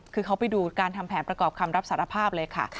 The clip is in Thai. คือเขาไปดูการทำแผนประกอบคำรับสารภาพเลยค่ะ